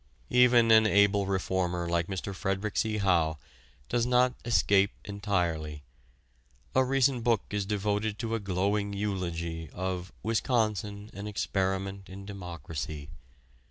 Even an able reformer like Mr. Frederic C. Howe does not escape entirely. A recent book is devoted to a glowing eulogy of "Wisconsin, an Experiment in Democracy."